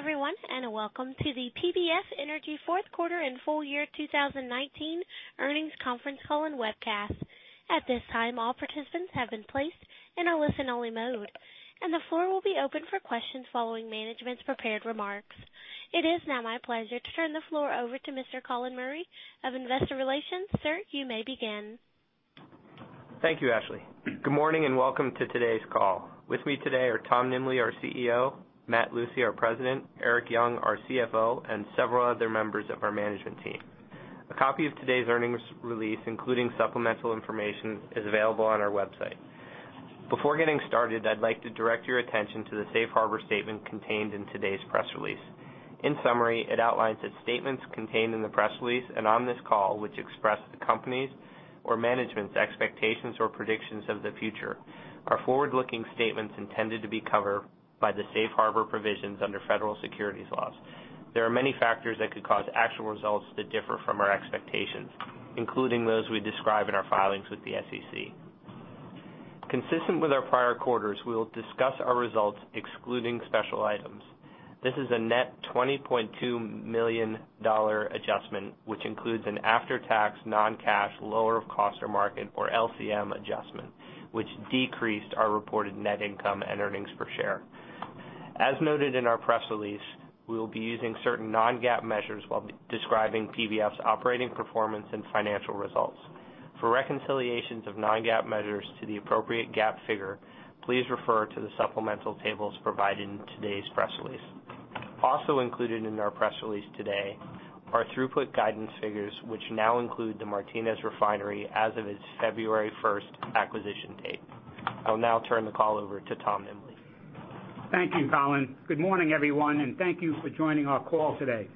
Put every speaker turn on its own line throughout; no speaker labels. Good day, everyone, and welcome to the PBF Energy fourth quarter and full year 2019 earnings conference call and webcast. At this time, all participants have been placed in a listen-only mode, and the floor will be open for questions following management's prepared remarks. It is now my pleasure to turn the floor over to Mr. Colin Murray of Investor Relations. Sir, you may begin.
Thank you, Ashley. Good morning, and welcome to today's call. With me today are Tom Nimbley, our CEO, Matt Lucey, our President, Erik Young, our CFO, and several other members of our management team. A copy of today's earnings release, including supplemental information, is available on our website. Before getting started, I'd like to direct your attention to the Safe Harbor statement contained in today's press release. In summary, it outlines that statements contained in the press release and on this call which express the company's or management's expectations or predictions of the future are forward-looking statements intended to be covered by the Safe Harbor provisions under federal securities laws. There are many factors that could cause actual results to differ from our expectations, including those we describe in our filings with the SEC. Consistent with our prior quarters, we will discuss our results excluding special items. This is a net $20.2 million adjustment, which includes an after-tax, non-cash, lower of cost or market, or LCM adjustment, which decreased our reported net income and earnings per share. As noted in our press release, we will be using certain non-GAAP measures while describing PBF's operating performance and financial results. For reconciliations of non-GAAP measures to the appropriate GAAP figure, please refer to the supplemental tables provided in today's press release. Also included in our press release today are throughput guidance figures, which now include the Martinez Refinery as of its February 1st acquisition date. I'll now turn the call over to Tom Nimbley.
Thank you, Colin. Good morning, everyone, thank you for joining our call today.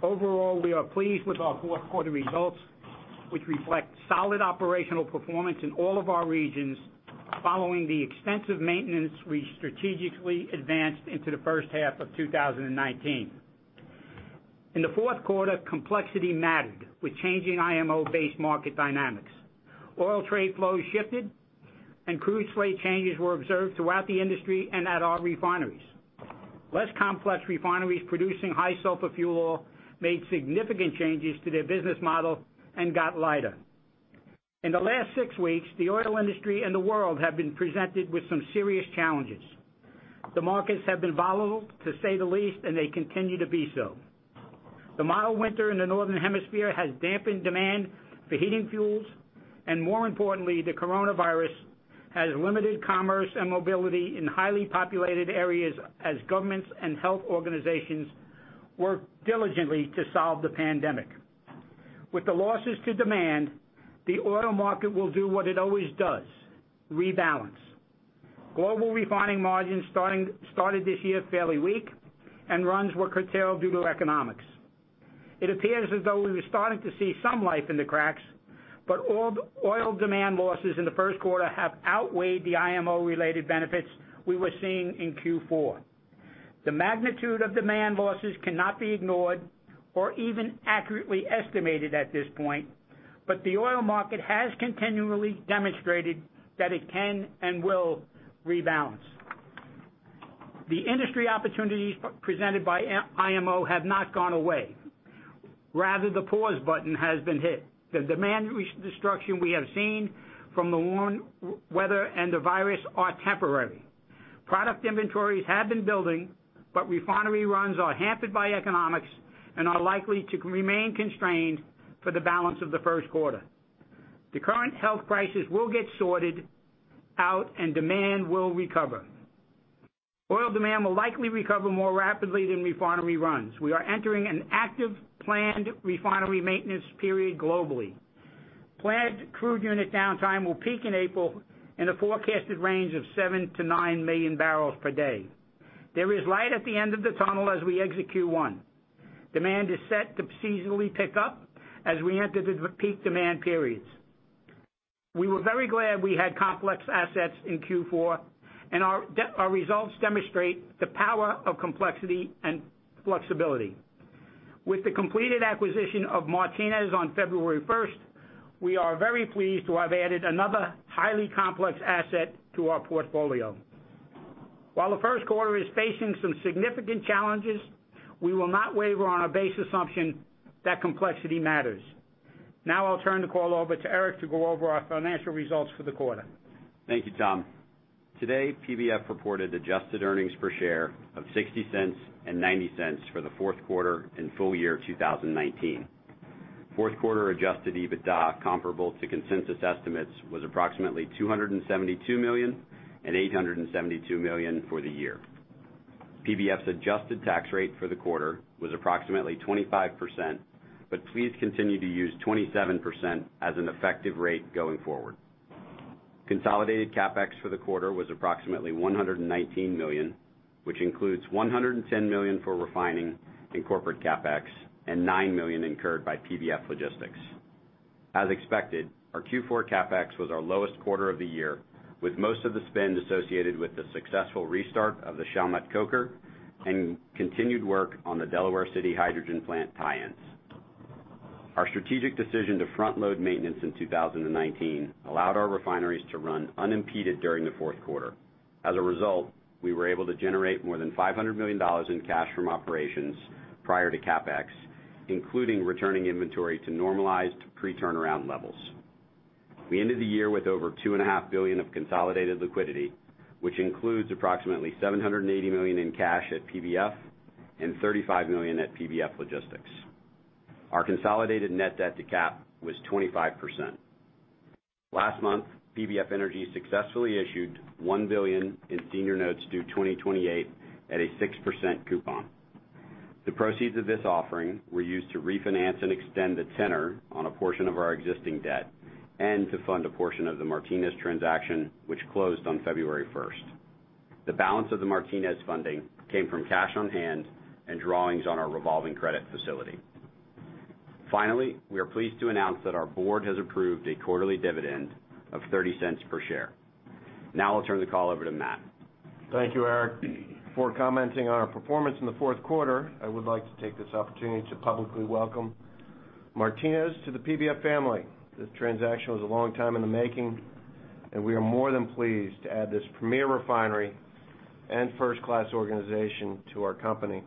Overall, we are pleased with our fourth quarter results, which reflect solid operational performance in all of our regions following the extensive maintenance we strategically advanced into the first half of 2019. In the fourth quarter, complexity mattered with changing IMO-based market dynamics. Oil trade flows shifted, crude slate changes were observed throughout the industry and at our refineries. Less complex refineries producing high sulfur fuel oil made significant changes to their business model and got lighter. In the last six weeks, the oil industry and the world have been presented with some serious challenges. The markets have been volatile, to say the least, they continue to be so. The mild winter in the northern hemisphere has dampened demand for heating fuels, and more importantly, the coronavirus has limited commerce and mobility in highly populated areas as governments and health organizations work diligently to solve the pandemic. With the losses to demand, the oil market will do what it always does: rebalance. Global refining margins started this year fairly weak, and runs were curtailed due to economics. It appears as though we were starting to see some life in the cracks, but oil demand losses in the first quarter have outweighed the IMO-related benefits we were seeing in Q4. The magnitude of demand losses cannot be ignored or even accurately estimated at this point, but the oil market has continually demonstrated that it can and will rebalance. The industry opportunities presented by IMO have not gone away. Rather, the pause button has been hit. The demand destruction we have seen from the warm weather and the virus are temporary. Product inventories have been building, but refinery runs are hampered by economics and are likely to remain constrained for the balance of the first quarter. The current health crisis will get sorted out, and demand will recover. Oil demand will likely recover more rapidly than refinery runs. We are entering an active planned refinery maintenance period globally. Planned crude unit downtime will peak in April in a forecasted range of 7-9 million barrels per day. There is light at the end of the tunnel as we exit Q1. Demand is set to seasonally pick up as we enter the peak demand periods. We were very glad we had complex assets in Q4, and our results demonstrate the power of complexity and flexibility. With the completed acquisition of Martinez on February 1st, we are very pleased to have added another highly complex asset to our portfolio. While the first quarter is facing some significant challenges, we will not waver on our base assumption that complexity matters. I'll turn the call over to Erik to go over our financial results for the quarter.
Thank you, Tom. Today, PBF reported adjusted earnings per share of $0.60 and $0.90 for the fourth quarter and full year 2019. Fourth-quarter adjusted EBITDA comparable to consensus estimates was approximately $272 million and $872 million for the year. PBF's adjusted tax rate for the quarter was approximately 25%, but please continue to use 27% as an effective rate going forward. Consolidated CapEx for the quarter was approximately $119 million, which includes $110 million for refining and corporate CapEx and $9 million incurred by PBF Logistics. As expected, our Q4 CapEx was our lowest quarter of the year, with most of the spend associated with the successful restart of the Chalmette Coker and continued work on the Delaware City hydrogen plant tie-ins. Our strategic decision to front-load maintenance in 2019 allowed our refineries to run unimpeded during the fourth quarter. As a result, we were able to generate more than $500 million in cash from operations prior to CapEx, including returning inventory to normalized pre-turnaround levels. We ended the year with over $2.5 billion of consolidated liquidity, which includes approximately $780 million in cash at PBF and $35 million at PBF Logistics. Our consolidated net debt-to-cap was 25%. Last month, PBF Energy successfully issued $1 billion in senior notes due 2028 at a 6% coupon. The proceeds of this offering were used to refinance and extend the tenor on a portion of our existing debt and to fund a portion of the Martinez transaction, which closed on February 1st. The balance of the Martinez funding came from cash on hand and drawings on our revolving credit facility. Finally, we are pleased to announce that our board has approved a quarterly dividend of $0.30 per share. I'll turn the call over to Matt.
Thank you, Erik. Before commenting on our performance in the fourth quarter, I would like to take this opportunity to publicly welcome Martinez to the PBF family. This transaction was a long time in the making, and we are more than pleased to add this premier refinery and first-class organization to our company.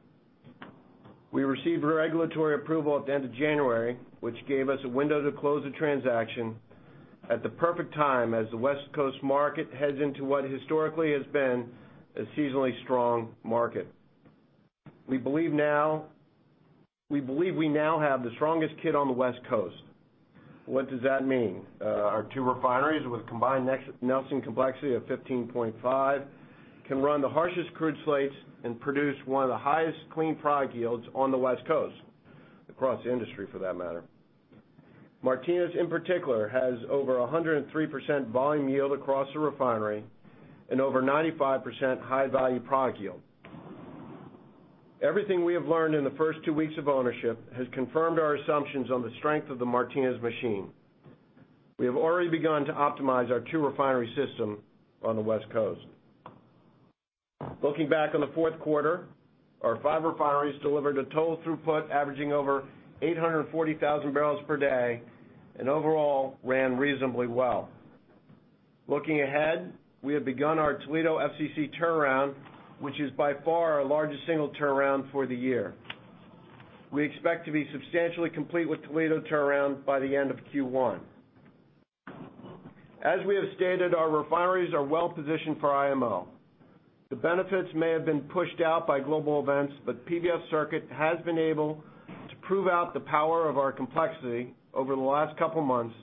We received regulatory approval at the end of January, which gave us a window to close the transaction at the perfect time as the West Coast market heads into what historically has been a seasonally strong market. We believe we now have the strongest kit on the West Coast. What does that mean? Our two refineries, with a combined Nelson Complexity of 15.5, can run the harshest crude slates and produce one of the highest clean product yields on the West Coast, across the industry for that matter. Martinez, in particular, has over 103% volume yield across the refinery and over 95% high-value product yield. Everything we have learned in the first two weeks of ownership has confirmed our assumptions on the strength of the Martinez machine. We have already begun to optimize our two-refinery system on the West Coast. Looking back on the fourth quarter, our five refineries delivered a total throughput averaging over 840,000 barrels per day and overall ran reasonably well. Looking ahead, we have begun our Toledo FCC turnaround, which is by far our largest single turnaround for the year. We expect to be substantially complete with Toledo turnaround by the end of Q1. As we have stated, our refineries are well-positioned for IMO. The benefits may have been pushed out by global events, but PBF Circuit has been able to prove out the power of our complexity over the last couple of months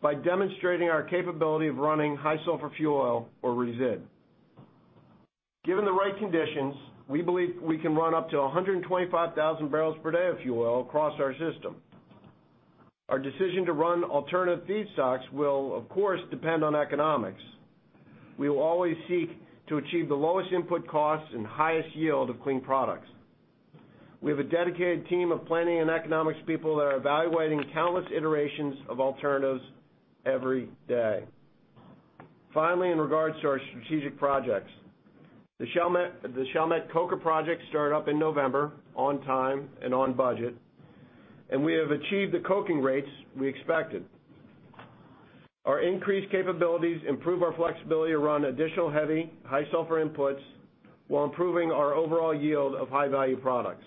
by demonstrating our capability of running high sulfur fuel oil or resid. Given the right conditions, we believe we can run up to 125,000 barrels per day of fuel oil across our system. Our decision to run alternative feedstocks will, of course, depend on economics. We will always seek to achieve the lowest input costs and highest yield of clean products. We have a dedicated team of planning and economics people that are evaluating countless iterations of alternatives every day. Finally, in regards to our strategic projects, the Chalmette Coker project started up in November on time and on budget, and we have achieved the coking rates we expected. Our increased capabilities improve our flexibility to run additional heavy, high sulfur inputs while improving our overall yield of high-value products.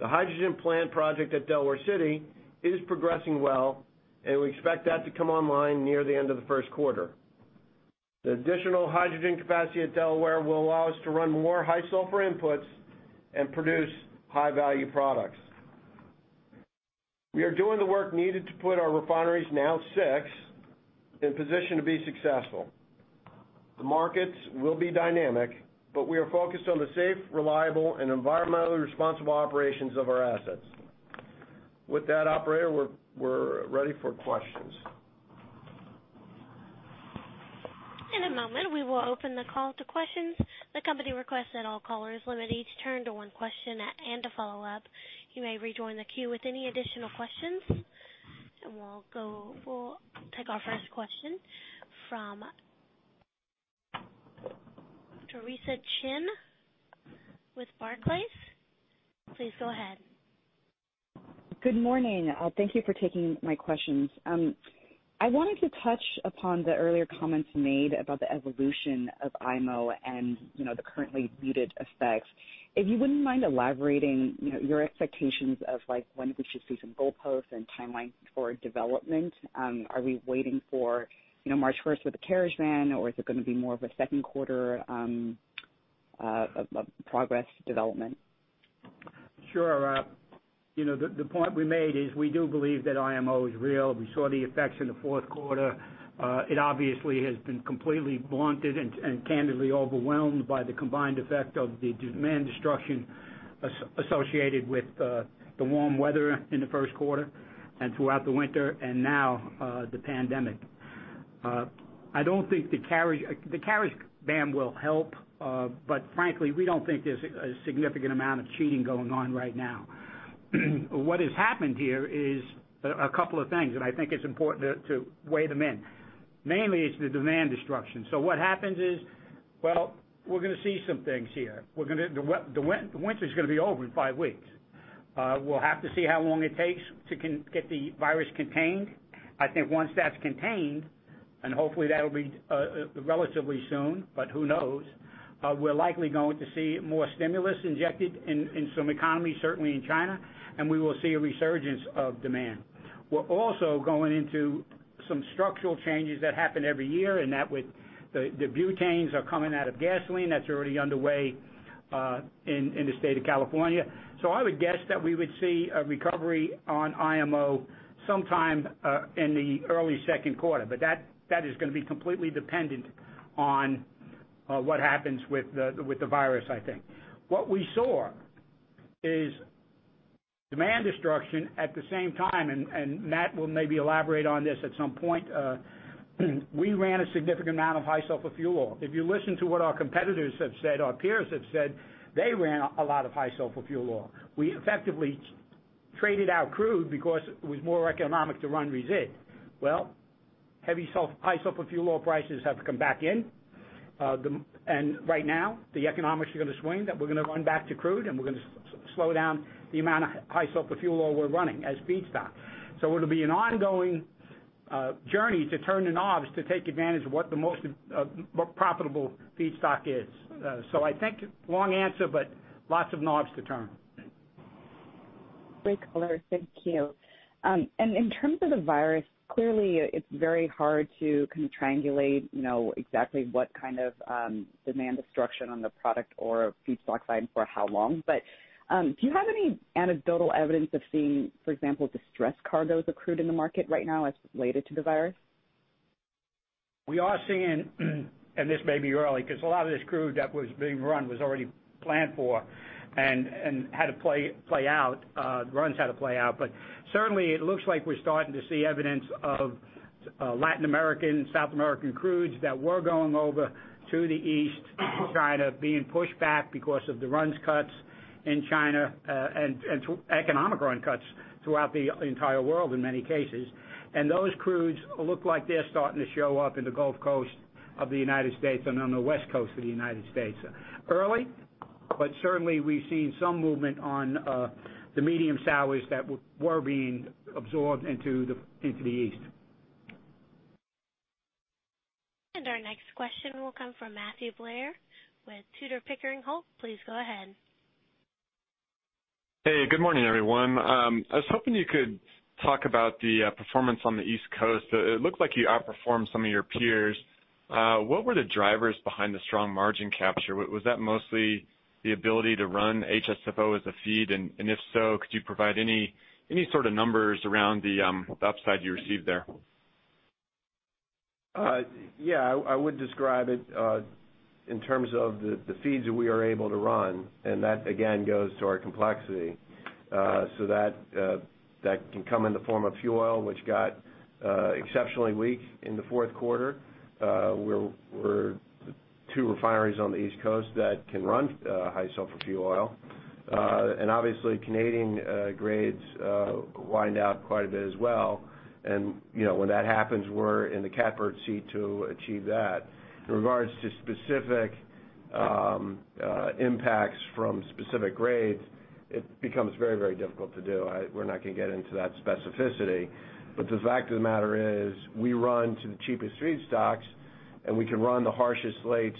The hydrogen plant project at Delaware City is progressing well, and we expect that to come online near the end of the first quarter. The additional hydrogen capacity at Delaware will allow us to run more high-sulfur inputs and produce high-value products. We are doing the work needed to put our refineries, now six, in position to be successful. The markets will be dynamic, but we are focused on the safe, reliable and environmentally responsible operations of our assets. With that, Operator, we're ready for questions.
In a moment, we will open the call to questions. The company requests that all callers limit each turn to one question and a follow-up. You may rejoin the queue with any additional questions. We'll take our first question from Theresa Chen with Barclays. Please go ahead.
Good morning. Thank you for taking my questions. I wanted to touch upon the earlier comments made about the evolution of IMO and the currently muted effects. If you wouldn't mind elaborating your expectations of when we should see some goalposts and timelines for development. Are we waiting for March 1st with the carriage ban, or is it going to be more of a second quarter of progress development?
Sure. The point we made is we do believe that IMO is real. We saw the effects in the fourth quarter. It obviously has been completely blunted and candidly overwhelmed by the combined effect of the demand destruction associated with the warm weather in the first quarter and throughout the winter, and now the pandemic. The carriage ban will help, but frankly, we don't think there's a significant amount of cheating going on right now. What has happened here is a couple of things, and I think it's important to weigh them in. Mainly, it's the demand destruction. what happens is We're going to see some things here. The winter's going to be over in five weeks. We'll have to see how long it takes to get the virus contained. I think once that's contained, and hopefully that'll be relatively soon, but who knows, we're likely going to see more stimulus injected in some economies, certainly in China, and we will see a resurgence of demand. We're also going into some structural changes that happen every year, and that with the butanes are coming out of gasoline, that's already underway in the state of California. I would guess that we would see a recovery on IMO sometime in the early second quarter. That is going to be completely dependent on what happens with the virus, I think. What we saw is demand destruction at the same time, and Matt will maybe elaborate on this at some point. We ran a significant amount of high sulfur fuel oil. If you listen to what our competitors have said, our peers have said, they ran a lot of high sulfur fuel oil. We effectively traded out crude because it was more economic to run resid. High sulfur fuel oil prices have to come back in. Right now, the economics are going to swing, that we're going to run back to crude, and we're going to slow down the amount of high sulfur fuel oil we're running as feedstock. It'll be an ongoing journey to turn the knobs to take advantage of what the most profitable feedstock is. I think, long answer, but lots of knobs to turn.
Great color. Thank you. In terms of the virus, clearly, it's very hard to triangulate exactly what kind of demand destruction on the product or feedstock side for how long. Do you have any anecdotal evidence of seeing, for example, distressed cargoes accrued in the market right now as related to the virus?
We are seeing, and this may be early, because a lot of this crude that was being run was already planned for and runs had to play out. Certainly, it looks like we're starting to see evidence of Latin American, South American crudes that were going over to the East, to China, being pushed back because of the runs cuts in China and economic run cuts throughout the entire world in many cases. Those crudes look like they're starting to show up in the Gulf Coast of the U.S. and on the West Coast of the U.S. Early, but certainly, we've seen some movement on the medium sour that were being absorbed into the East.
Our next question will come from Matthew Blair with Tudor, Pickering, Holt. Please go ahead.
Hey, good morning, everyone. I was hoping you could talk about the performance on the East Coast. It looked like you outperformed some of your peers. What were the drivers behind the strong margin capture? Was that mostly the ability to run HSFO as a feed? If so, could you provide any sort of numbers around the upside you received there?
Yeah, I would describe it in terms of the feeds that we are able to run, that again, goes to our complexity. That can come in the form of fuel oil, which got exceptionally weak in the fourth quarter. We're two refineries on the East Coast that can run high-sulfur fuel oil. Obviously, Canadian grades wind out quite a bit as well. When that happens, we're in the catbird seat to achieve that. In regards to specific impacts from specific grades, it becomes very, very difficult to do. We're not going to get into that specificity. The fact of the matter is, we run to the cheapest feedstocks, we can run the harshest slates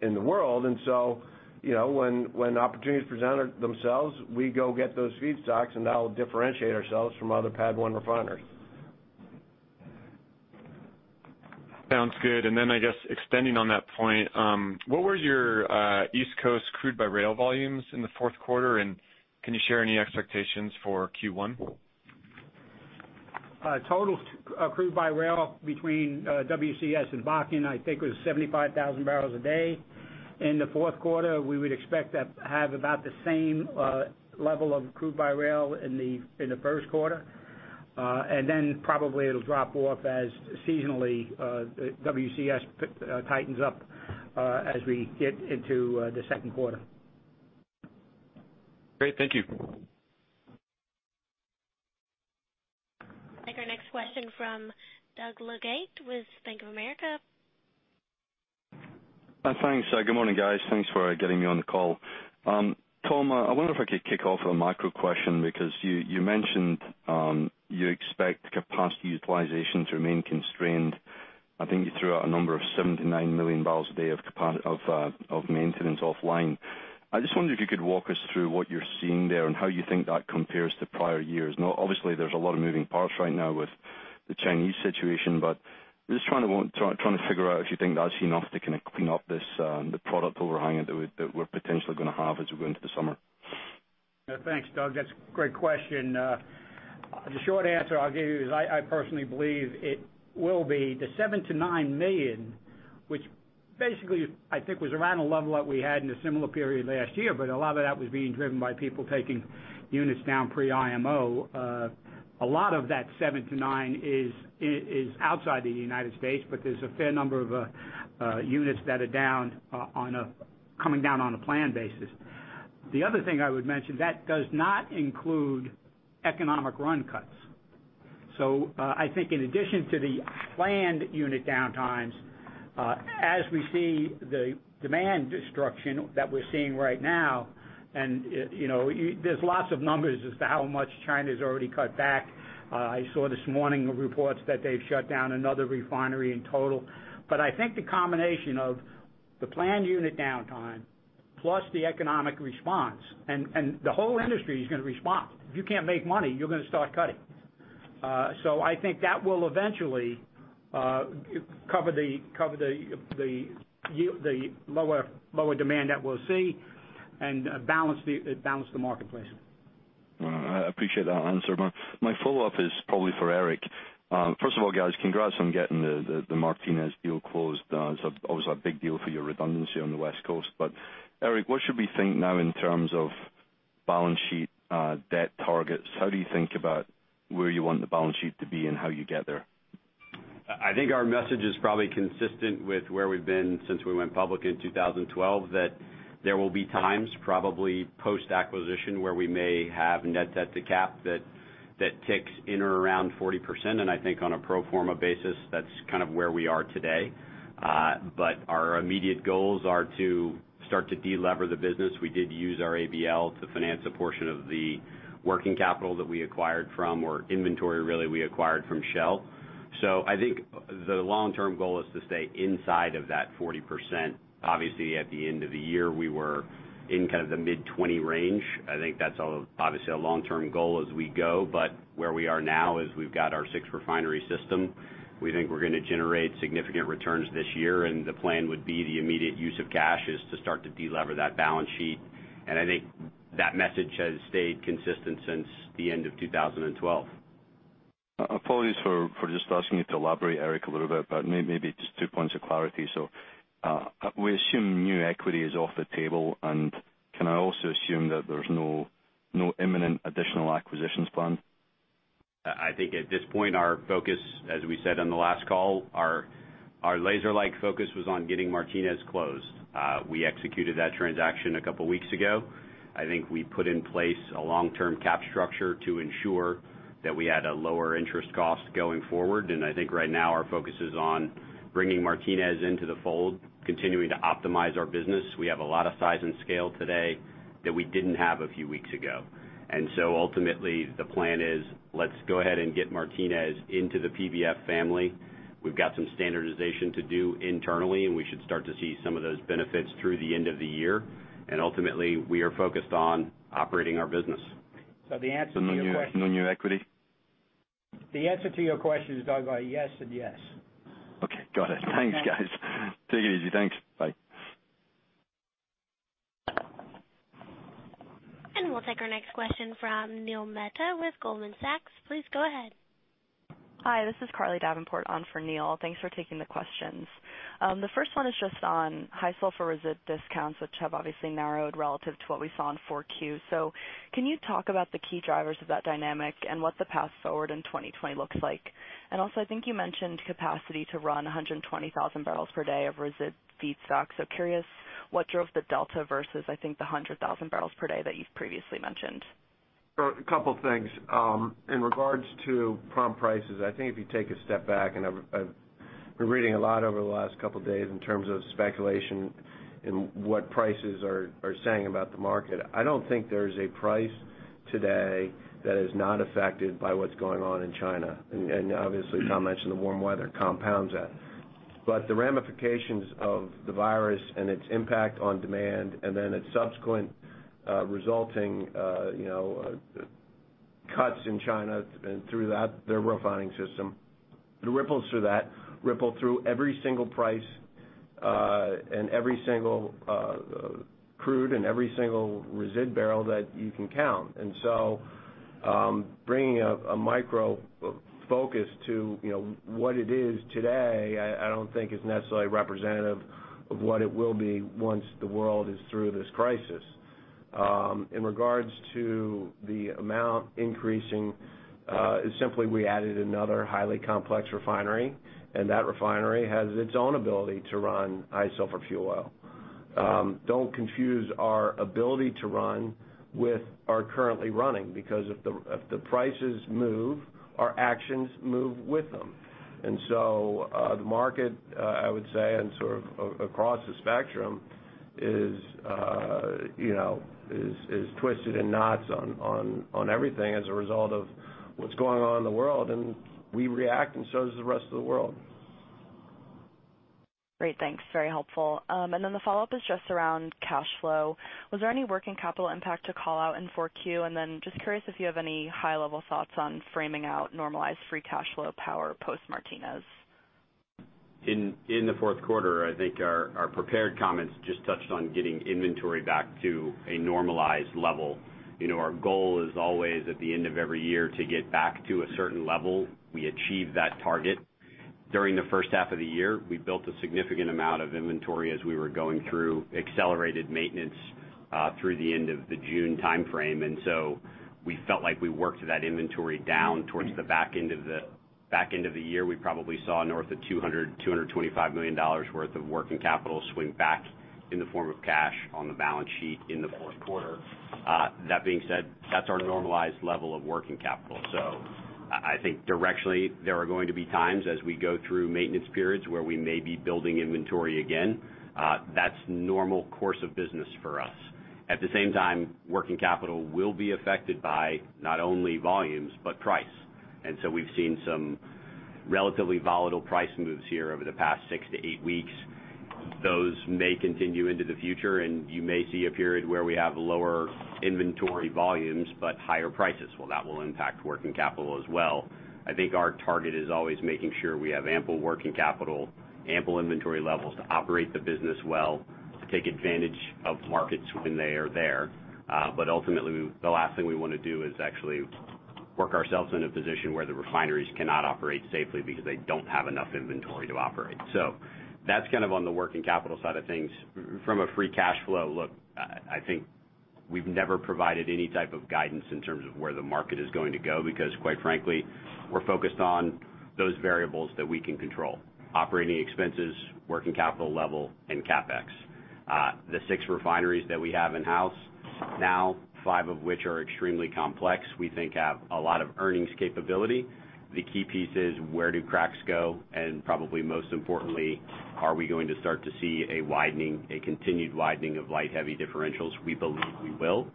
in the world. When opportunities present themselves, we go get those feedstocks, that'll differentiate ourselves from other PADD 1 refiners.
Sounds good. Then, I guess, extending on that point, what were your East Coast crude by rail volumes in the fourth quarter, and can you share any expectations for Q1?
Total crude by rail between WCS and Bakken, I think, was 75,000 barrels a day. In the fourth quarter, we would expect that to have about the same level of crude by rail in the first quarter. Then probably it'll drop off as seasonally WCS tightens up as we get into the second quarter.
Great. Thank you.
Our next question from Doug Leggate with Bank of America.
Thanks. Good morning, guys. Thanks for getting me on the call. Tom, I wonder if I could kick off with a micro question, because you mentioned you expect capacity utilization to remain constrained. I think you threw out a number of 7-9 million barrels a day of maintenance offline. I just wonder if you could walk us through what you're seeing there and how you think that compares to prior years. Now, obviously, there's a lot of moving parts right now with the Chinese situation, but just trying to figure out if you think that's enough to clean up this, the product overhang that we're potentially going to have as we go into the summer.
Thanks, Doug. That's a great question. The short answer I'll give you is I personally believe it will be the 7-9 million, which basically, I think, was around a level that we had in a similar period last year, but a lot of that was being driven by people taking units down pre-IMO. A lot of that 7-9 million is outside the U.S., there's a fair number of units that are coming down on a planned basis. The other thing I would mention, that does not include economic run cuts. I think in addition to the planned unit downtimes, as we see the demand destruction that we're seeing right now, there's lots of numbers as to how much China's already cut back. I saw this morning reports that they've shut down another refinery in total. I think the combination of the planned unit downtime plus the economic response and the whole industry is going to respond. If you can't make money, you're going to start cutting. I think that will eventually cover the lower demand that we'll see and balance the marketplace.
I appreciate that answer. My follow-up is probably for Erik. First of all, guys, congrats on getting the Martinez deal closed. Obviously a big deal for your redundancy on the West Coast. Erik, what should we think now in terms of balance sheet, debt targets? How do you think about where you want the balance sheet to be and how you get there?
I think our message is probably consistent with where we've been since we went public in 2012, that there will be times, probably post-acquisition, where we may have net debt-to-cap that ticks in or around 40%. I think on a pro forma basis, that's kind of where we are today. Our immediate goals are to start to de-lever the business. We did use our ABL to finance a portion of the working capital that we acquired from, or inventory really, we acquired from Shell. I think the long-term goal is to stay inside of that 40%. Obviously, at the end of the year, we were in kind of the mid-20 range. I think that's obviously a long-term goal as we go, but where we are now is we've got our six-refinery system. We think we're going to generate significant returns this year, and the plan would be the immediate use of cash is to start to de-lever that balance sheet. I think that message has stayed consistent since the end of 2012.
Apologies for just asking you to elaborate, Erik, a little bit, but maybe just two points of clarity. We assume new equity is off the table and can I also assume that there's no imminent additional acquisitions planned?
I think at this point, our focus, as we said on the last call, our laser-like focus was on getting Martinez closed. We executed that transaction a couple of weeks ago. I think we put in place a long-term cap structure to ensure that we had a lower interest cost going forward. I think right now our focus is on bringing Martinez into the fold, continuing to optimize our business. We have a lot of size and scale today that we didn't have a few weeks ago. Ultimately, the plan is, let's go ahead and get Martinez into the PBF family. We've got some standardization to do internally, and we should start to see some of those benefits through the end of the year. Ultimately, we are focused on operating our business.
The answer to your question.
No new equity?
The answer to your question is, Doug, yes and yes.
Okay. Got it. Thanks, guys. Take it easy. Thanks. Bye.
We'll take our next question from Neil Mehta with Goldman Sachs. Please go ahead.
Hi, this is Carly Davenport on for Neil. Thanks for taking the questions. The first one is just on high-sulfur resid discounts, which have obviously narrowed relative to what we saw in Q4. Can you talk about the key drivers of that dynamic and what the path forward in 2020 looks like? Also, I think you mentioned capacity to run 120,000 barrels per day of resid feedstock. Curious what drove the delta versus, I think, the 100,000 barrels per day that you've previously mentioned.
A couple of things. In regards to prompt prices, I think if you take a step back, and I've been reading a lot over the last couple of days in terms of speculation and what prices are saying about the market. I don't think there's a price today that is not affected by what's going on in China. Obviously, Tom mentioned the warm weather compounds that. The ramifications of the virus and its impact on demand and then its subsequent resulting cuts in China and through their refining system, the ripples through that ripple through every single price, and every single crude, and every single resid barrel that you can count. Bringing a micro-focus to what it is today, I don't think is necessarily representative of what it will be once the world is through this crisis. In regards to the amount increasing, is simply we added another highly complex refinery, and that refinery has its own ability to run high sulfur fuel oil. Don't confuse our ability to run with our currently running, because if the prices move, our actions move with them. The market, I would say, and sort of across the spectrum is twisted in knots on everything as a result of what's going on in the world, and we react and so does the rest of the world.
Great. Thanks. Very helpful. The follow-up is just around cash flow. Was there any working capital impact to call out in Q4? Just curious if you have any high-level thoughts on framing out normalized free cash flow power post-Martinez.
In the fourth quarter, I think our prepared comments just touched on getting inventory back to a normalized level. Our goal is always at the end of every year to get back to a certain level. We achieved that target. During the first half of the year, we built a significant amount of inventory as we were going through accelerated maintenance through the end of the June timeframe. We felt like we worked that inventory down towards the back end of the year, we probably saw north of $200-225 million worth of working capital swing back in the form of cash on the balance sheet in the fourth quarter. That being said, that's our normalized level of working capital. I think directionally, there are going to be times as we go through maintenance periods where we may be building inventory again. That's normal course of business for us. At the same time, working capital will be affected by not only volumes, but price. We've seen some relatively volatile price moves here over the past six to eight weeks. Those may continue into the future, and you may see a period where we have lower inventory volumes, but higher prices. Well, that will impact working capital as well. I think our target is always making sure we have ample working capital, ample inventory levels to operate the business well, to take advantage of markets when they are there. Ultimately, the last thing we want to do is actually work ourselves in a position where the refineries cannot operate safely because they don't have enough inventory to operate. That's on the working capital side of things. From a free cash flow, look, I think we've never provided any type of guidance in terms of where the market is going to go, because quite frankly, we're focused on those variables that we can control: operating expenses, working capital level, and CapEx. The six refineries that we have in-house now, five of which are extremely complex, we think have a lot of earnings capability. The key piece is where do cracks go, and probably most importantly, are we going to start to see a continued widening of light-heavy differentials? We believe we will.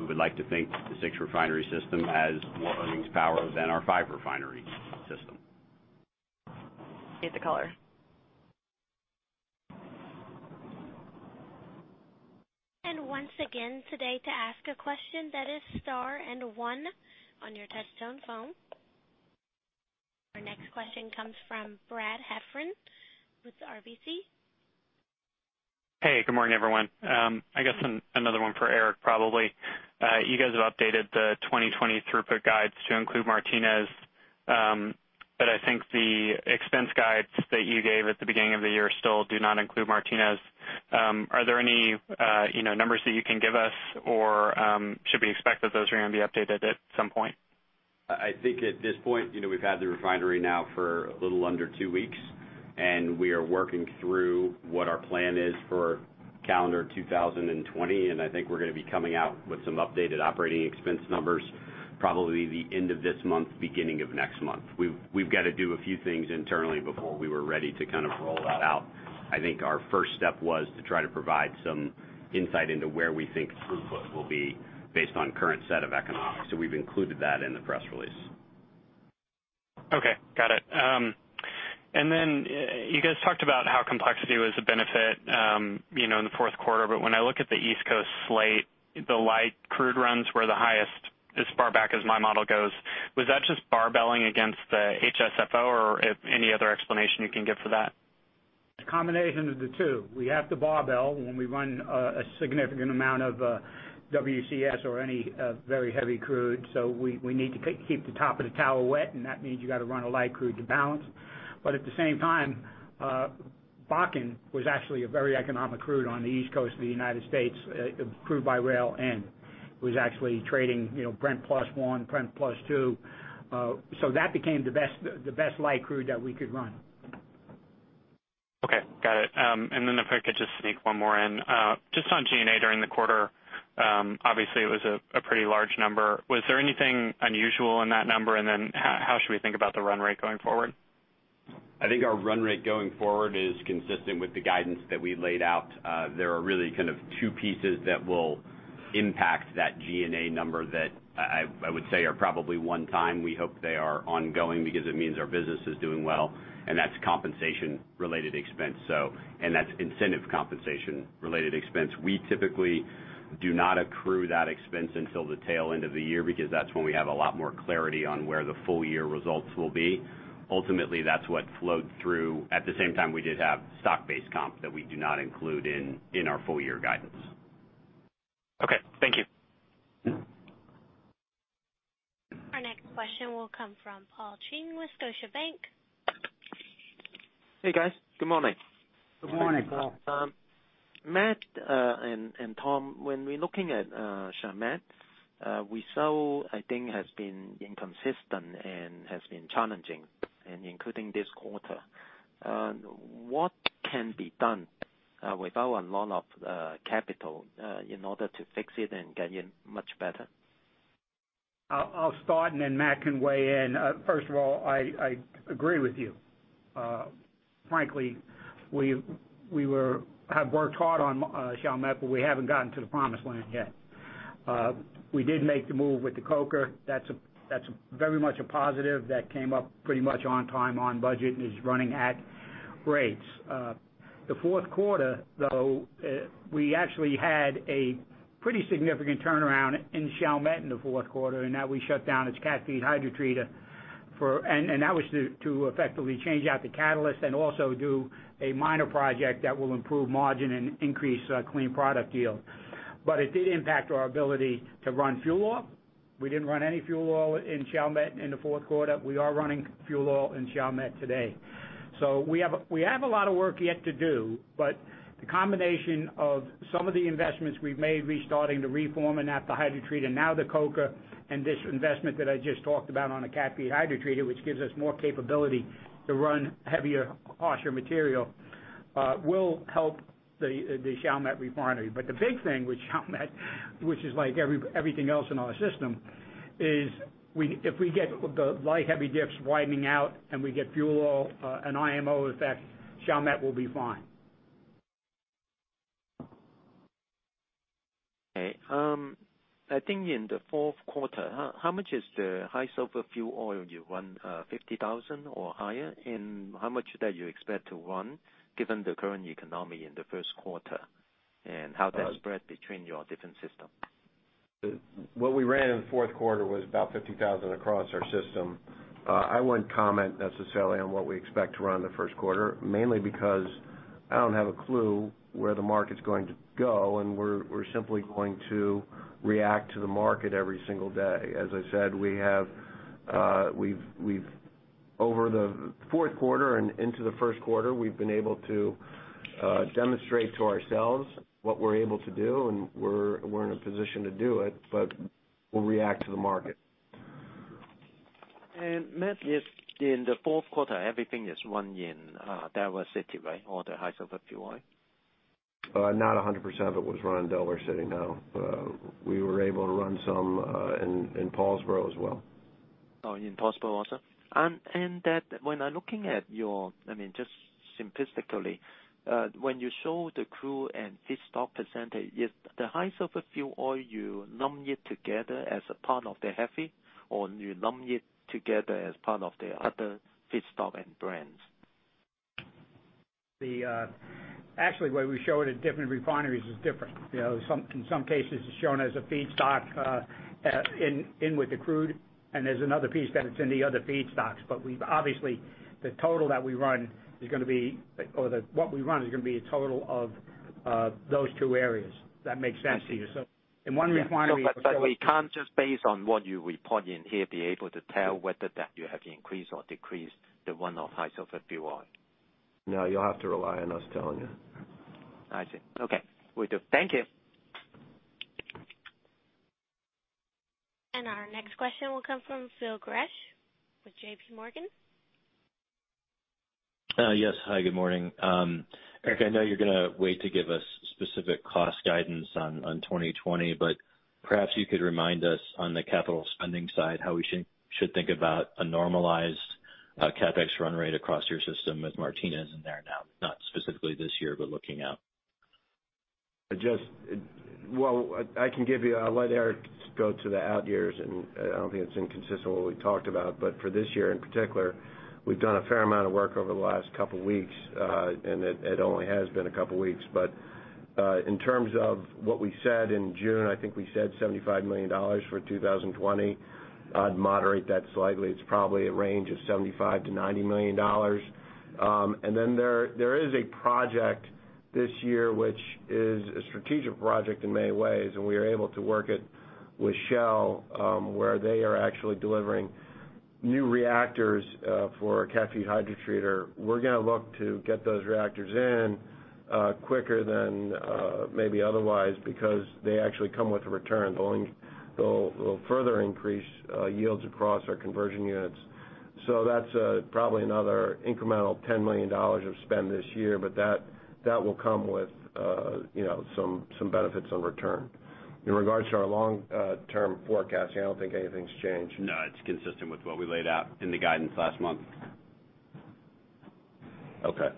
We would like to think the six-refinery system has more earnings power than our five-refinery system.
Cue the caller.
Once again today to ask a question, that is star and one on your touchtone phone. Our next question comes from Brad Heffern with RBC.
Hey, good morning, everyone. I guess another one for Erik, probably. You guys have updated the 2020 throughput guides to include Martinez, but I think the expense guides that you gave at the beginning of the year still do not include Martinez. Are there any numbers that you can give us, or should we expect that those are going to be updated at some point?
I think at this point, we've had the refinery now for a little under two weeks, and we are working through what our plan is for calendar 2020. I think we're going to be coming out with some updated operating expense numbers, probably the end of this month, beginning of next month. We've got to do a few things internally before we were ready to roll that out. I think our first step was to try to provide some insight into where we think throughput will be based on current set of economics. We've included that in the press release.
Okay. Got it. You guys talked about how complexity was a benefit in the fourth quarter, but when I look at the East Coast slate, the light crude runs were the highest as far back as my model goes. Was that just barbelling against the HSFO or any other explanation you can give for that?
A combination of the two. We have to barbell when we run a significant amount of WCS or any very heavy crude. We need to keep the top of the tower wet, and that means you got to run a light crude to balance. At the same time, Bakken was actually a very economic crude on the East Coast of the U.S., crude by rail, and it was actually trading Brent plus one, Brent plus two. That became the best light crude that we could run.
Okay. Got it. If I could just sneak one more in. Just on G&A during the quarter. Obviously, it was a pretty large number. Was there anything unusual in that number? How should we think about the run rate going forward?
I think our run rate going forward is consistent with the guidance that we laid out. There are really two pieces that will impact that G&A number that I would say are probably one-time. We hope they are ongoing because it means our business is doing well, and that's compensation-related expense. That's incentive compensation-related expense. We typically do not accrue that expense until the tail end of the year because that's when we have a lot more clarity on where the full-year results will be. Ultimately, that's what flowed through. At the same time, we did have stock-based comp that we do not include in our full-year guidance.
Okay. Thank you.
Our next question will come from Paul Cheng with Scotiabank.
Hey, guys. Good morning.
Good morning.
Good morning.
Matt and Tom, when we're looking at Chalmette, we saw, I think, has been inconsistent and has been challenging, and including this quarter. What can be done without a lot of capital in order to fix it and get it much better?
I'll start and then Matt can weigh in. First of all, I agree with you. Frankly, we have worked hard on Chalmette, but we haven't gotten to the promised land yet. We did make the move with the coker. That's very much a positive. That came up pretty much on time, on budget, and is running at rates. The fourth quarter, though, we actually had a pretty significant turnaround in Chalmette in the fourth quarter, and that we shut down its cat feed hydrotreater. That was to effectively change out the catalyst and also do a minor project that will improve margin and increase clean product yield. It did impact our ability to run fuel oil. We didn't run any fuel oil in Chalmette in the fourth quarter. We are running fuel oil in Chalmette today. We have a lot of work yet to do, but the combination of some of the investments we've made, restarting the reform and naphtha hydrotreater, and now the coker and this investment that I just talked about on the cat feed hydrotreater, which gives us more capability to run heavier, harsher material, will help the Chalmette refinery. The big thing with Chalmette, which is like everything else in our system, is if we get the light-heavy dips widening out and we get fuel oil and IMO effect, Chalmette will be fine.
Okay. I think in the fourth quarter, how much is the high sulfur fuel oil you run, 50,000 or higher? How much that you expect to run given the current economy in the first quarter? How that spread between your different system?
What we ran in the fourth quarter was about 50,000 across our system. I wouldn't comment necessarily on what we expect to run in the first quarter, mainly because I don't have a clue where the market's going to go, and we're simply going to react to the market every single day. As I said, over the fourth quarter and into the first quarter, we've been able to demonstrate to ourselves what we're able to do, and we're in a position to do it, but we'll react to the market.
Matt, if in the fourth quarter, everything is run in Delaware City, right? All the high sulfur fuel oil?
Not 100% of it was run in Delaware City, no. We were able to run some in Paulsboro as well.
Oh, in Paulsboro also? That when I'm looking at just simplistically, when you show the crude and feedstock percentage, if the high sulfur fuel oil, you lump it together as a part of the heavy or you lump it together as part of the other feedstock and brands?
Actually, the way we show it at different refineries is different. In some cases, it's shown as a feedstock in with the crude, and there's another piece that it's in the other feedstocks. Obviously, the total that we run or what we run is gonna be a total of those two areas, if that makes sense to you.
Yeah. We can't just base on what you report in here, be able to tell whether that you have increased or decreased the run of high sulfur fuel oil.
No, you'll have to rely on us telling you.
I see. Okay. Will do. Thank you.
Our next question will come from Phil Gresh with J.P. Morgan.
Yes. Hi, good morning. Erik, I know you're gonna wait to give us specific cost guidance on 2020, perhaps you could remind us on the capital spending side how we should think about a normalized CapEx run rate across your system with Martinez in there now, not specifically this year, but looking out.
I can give you-- I'll let Erik go to the out years, and I don't think it's inconsistent with what we talked about. For this year in particular, we've done a fair amount of work over the last couple of weeks, and it only has been a couple of weeks. In terms of what we said in June, I think we said $75 million for 2020. I'd moderate that slightly. It's probably a range of $75-90 million. Then there is a project this year, which is a strategic project in many ways, and we are able to work it with Shell, where they are actually delivering new reactors for a cat feed hydrotreater. We're going to look to get those reactors in quicker than maybe otherwise because they actually come with a return. They'll further increase yields across our conversion units. That's probably another incremental $10 million of spend this year, but that will come with some benefits on return. In regards to our long-term forecasting, I don't think anything's changed.
No, it's consistent with what we laid out in the guidance last month.
Okay.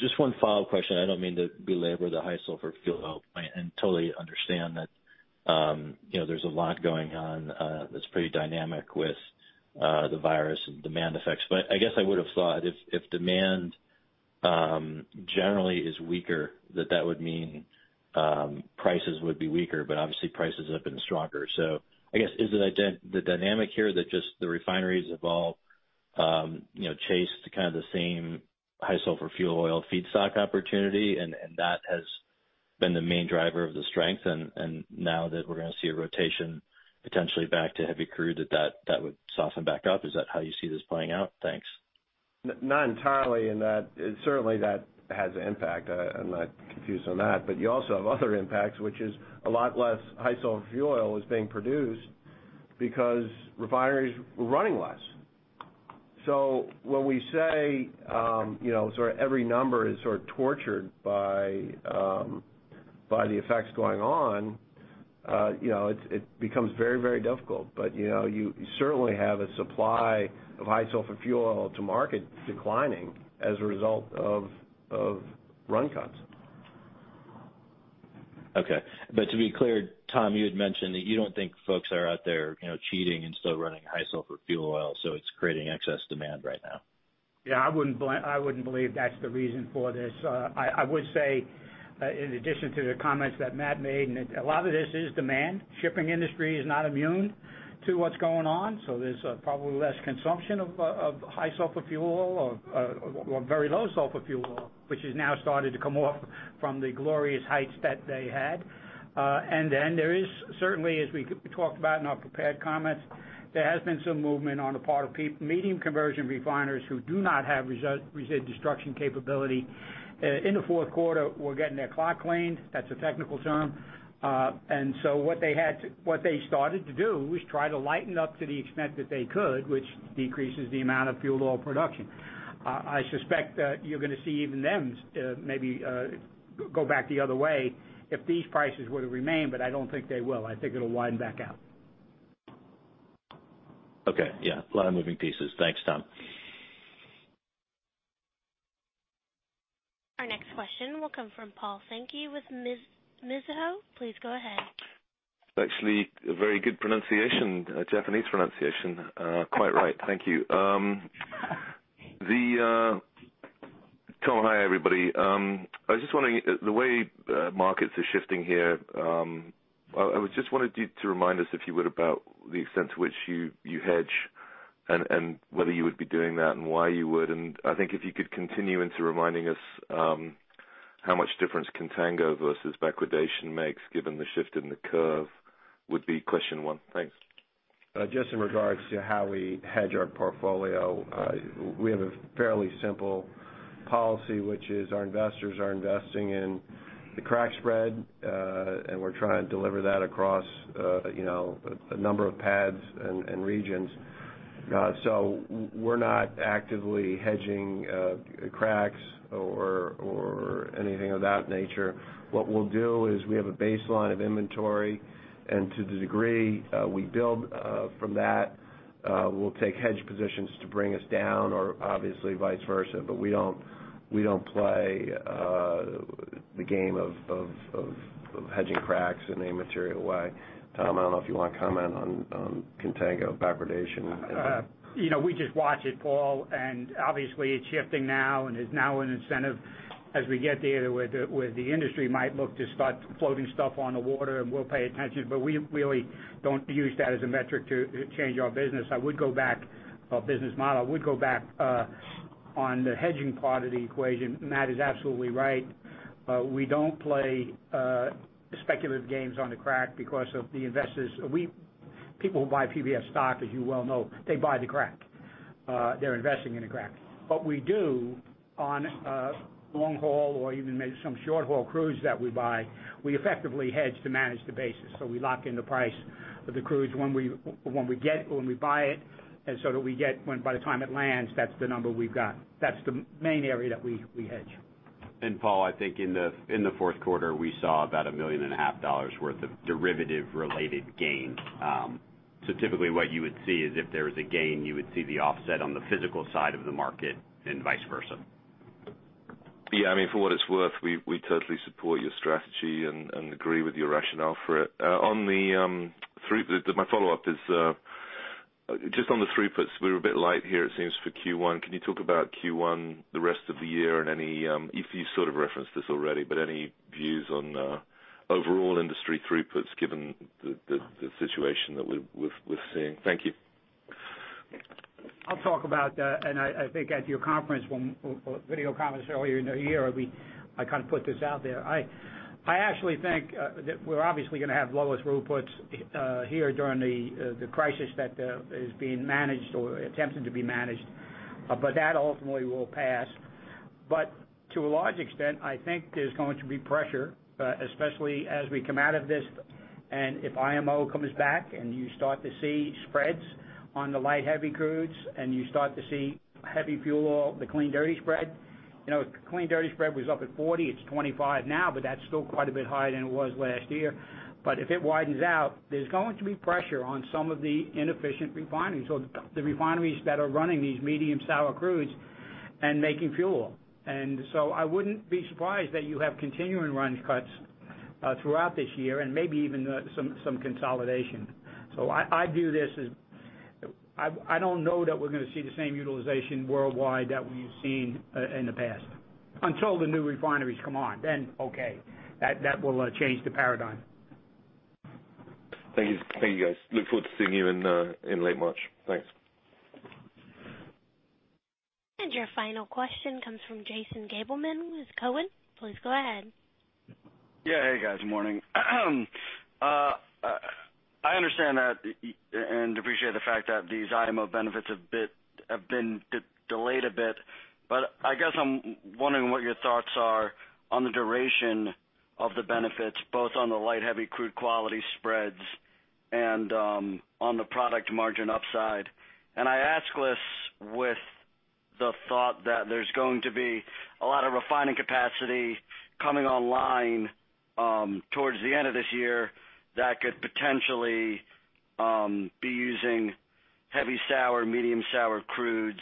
Just one follow-up question. I don't mean to belabor the high sulfur fuel oil point and totally understand that there's a lot going on that's pretty dynamic with the virus and demand effects. I guess I would've thought if demand generally is weaker, that that would mean prices would be weaker, but obviously prices have been stronger. I guess, is the dynamic here that just the refineries have all chased kind of the same high sulfur fuel oil feedstock opportunity and that has been the main driver of the strength, and now that we're gonna see a rotation potentially back to heavy crude, that that would soften back up? Is that how you see this playing out? Thanks.
Certainly that has an impact. I'm not confused on that. You also have other impacts, which is a lot less high sulfur fuel oil is being produced because refineries were running less. When we say every number is sort of tortured by the effects going on, it becomes very difficult. You certainly have a supply of high sulfur fuel oil to market declining as a result of run cuts.
Okay. To be clear, Tom, you had mentioned that you don't think folks are out there cheating and still running high sulfur fuel oil, so it's creating excess demand right now?
Yeah, I wouldn't believe that's the reason for this. I would say, in addition to the comments that Matt made, a lot of this is demand. Shipping industry is not immune to what's going on, so there's probably less consumption of high-sulfur fuel or very low-sulfur fuel, which has now started to come off from the glorious heights that they had. There is certainly, as we talked about in our prepared comments, there has been some movement on the part of medium conversion refiners who do not have resid destruction capability. In the fourth quarter, we're getting their clock cleaned. That's a technical term. What they started to do was try to lighten up to the extent that they could, which decreases the amount of fuel oil production. I suspect that you're going to see even them maybe go back the other way if these prices were to remain, but I don't think they will. I think it'll widen back out.
Okay. Yeah. A lot of moving pieces. Thanks, Tom.
Our next question will come from Paul Sankey with Mizuho. Please go ahead.
Actually, a very good pronunciation, Japanese pronunciation. Quite right. Thank you. Tom, hi, everybody. I was just wondering, the way markets are shifting here, I just wanted you to remind us, if you would, about the extent to which you hedge and whether you would be doing that and why you would. I think if you could continue into reminding us how much difference contango versus backwardation makes given the shift in the curve would be question one. Thanks.
Just in regards to how we hedge our portfolio, we have a fairly simple policy, which is our investors are investing in the crack spread, we're trying to deliver that across a number of PADDs and regions. We're not actively hedging cracks or anything of that nature. What we'll do is we have a baseline of inventory, to the degree we build from that, we'll take hedge positions to bring us down or obviously vice versa. We don't play the game of hedging cracks in any material way. Tom, I don't know if you want to comment on contango and backwardation.
We just watch it, Paul, obviously, it's shifting now and there's now an incentive as we get data where the industry might look to start floating stuff on the water, and we'll pay attention. We really don't use that as a metric to change our business model. I would go back on the hedging part of the equation. Matt is absolutely right. We don't play speculative games on the crack because of the investors. People who buy PBF stock, as you well know, they buy the crack. They're investing in the crack. What we do on a long haul or even maybe some short-haul crude that we buy, we effectively hedge to manage the basis. We lock in the price of the crude when we buy it, that by the time it lands, that's the number we've got. That's the main area that we hedge.
Paul, I think in the fourth quarter, we saw about a $1.5 million worth of derivative-related gain. Typically, what you would see is if there was a gain, you would see the offset on the physical side of the market and vice versa.
Yeah. For what it's worth, we totally support your strategy and agree with your rationale for it. My follow-up is, just on the throughputs, we were a bit light here it seems for Q1. Can you talk about Q1, the rest of the year, and you sort of referenced this already, but any views on overall industry throughputs given the situation that we're seeing? Thank you.
I'll talk about that, and I think at your video conference earlier in the year, I kind of put this out there. I actually think that we're obviously going to have lowest throughputs here during the crisis that is being managed or attempted to be managed. That ultimately will pass. To a large extent, I think there's going to be pressure, especially as we come out of this, and if IMO comes back and you start to see spreads on the light, heavy crudes, and you start to see heavy fuel oil, the clean dirty spread. Clean dirty spread was up at 40. It's 25 now, but that's still quite a bit higher than it was last year. If it widens out, there's going to be pressure on some of the inefficient refineries. The refineries that are running these medium sour crudes and making fuel. I wouldn't be surprised that you have continuing run cuts throughout this year and maybe even some consolidation. I don't know that we're going to see the same utilization worldwide that we've seen in the past. Until the new refineries come on, then okay, that will change the paradigm.
Thank you, guys. Look forward to seeing you in late March. Thanks.
Your final question comes from Jason Gabelman with Cowen. Please go ahead.
Hey, guys. Morning. I understand that and appreciate the fact that these IMO benefits have been delayed a bit. I guess I'm wondering what your thoughts are on the duration of the benefits, both on the light-heavy crude quality spreads and on the product margin upside. I ask this with the thought that there's going to be a lot of refining capacity coming online towards the end of this year that could potentially be using heavy sour, medium sour crudes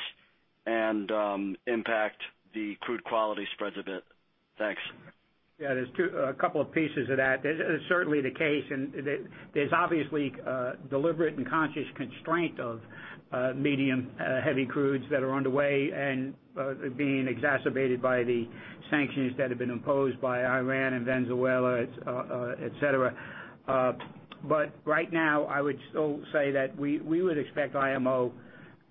and impact the crude quality spreads a bit. Thanks.
Yeah, there's a couple of pieces of that. That is certainly the case, and there's obviously deliberate and conscious constraint of medium heavy crudes that are underway and being exacerbated by the sanctions that have been imposed by Iran and Venezuela, et cetera. Right now, I would still say that we would expect IMO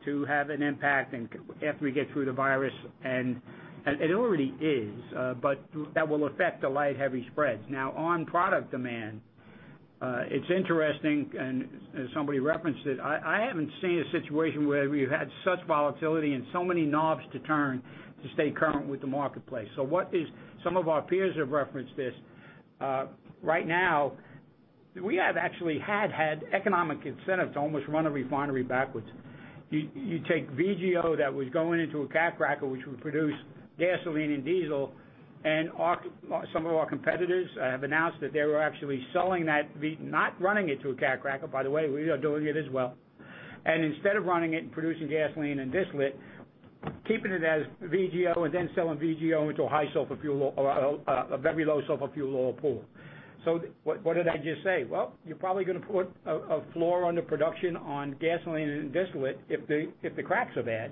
to have an impact after we get through the virus, and it already is. That will affect the light-heavy differentials. Now, on product demand, it's interesting, and somebody referenced it. I haven't seen a situation where we've had such volatility and so many knobs to turn to stay current with the marketplace. Some of our peers have referenced this. Right now, we have actually had economic incentives to almost run a refinery backwards. You take VGO that was going into a catalytic cracker, which would produce gasoline and diesel. Some of our competitors have announced that they were actually selling that, not running it to a catalytic cracker. By the way, we are doing it as well. Instead of running it and producing gasoline and distillate, keeping it as VGO and then selling VGO into a very low sulfur fuel oil pool. What did I just say? Well, you're probably going to put a floor under production on gasoline and distillate if the cracks are bad.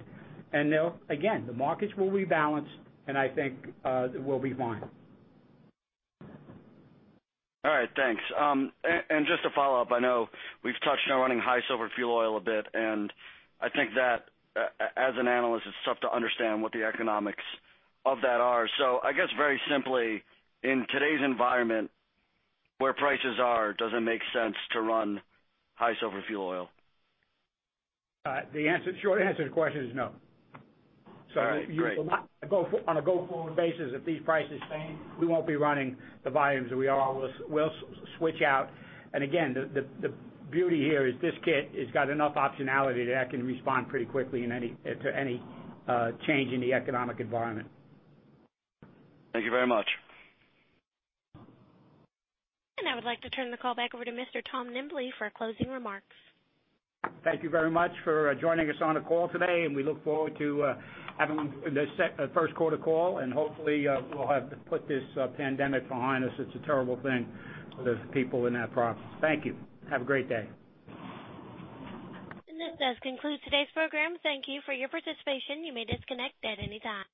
Again, the markets will rebalance, and I think we'll be fine.
All right. Thanks. Just to follow up, I know we've touched on running high sulfur fuel oil a bit, I think that, as an analyst, it's tough to understand what the economics of that are. I guess very simply, in today's environment where prices are, does it make sense to run high sulfur fuel oil?
The short answer to the question is no.
All right. Great.
On a go-forward basis, if these prices stay, we won't be running the volumes that we are. We'll switch out. Again, the beauty here is this kit has got enough optionality that it can respond pretty quickly to any change in the economic environment.
Thank you very much.
I would like to turn the call back over to Mr. Tom Nimbley for our closing remarks.
Thank you very much for joining us on the call today, and we look forward to having the first quarter call, and hopefully, we'll have to put this pandemic behind us. It's a terrible thing for those people in that province. Thank you. Have a great day.
This does conclude today's program. Thank you for your participation. You may disconnect at any time.